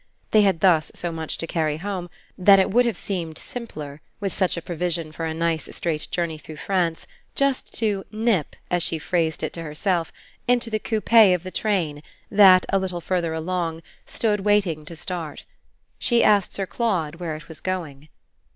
They had thus so much to carry home that it would have seemed simpler, with such a provision for a nice straight journey through France, just to "nip," as she phrased it to herself, into the coupé of the train that, a little further along, stood waiting to start. She asked Sir Claude where it was going.